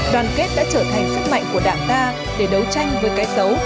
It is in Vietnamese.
đoàn kết đã trở thành sức mạnh của đảng ta để đấu tranh với cái xấu